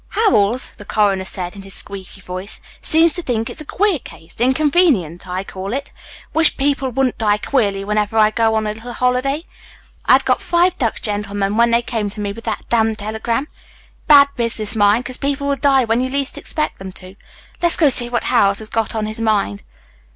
"Howells," the coroner said in his squeaky voice, "seems to think it's a queer case. Inconvenient, I call it. Wish people wouldn't die queerly whenever I go on a little holiday. I had got five ducks, gentlemen, when they came to me with that damned telegram. Bad business mine, 'cause people will die when you least expect them to. Let's go see what Howells has got on his mind.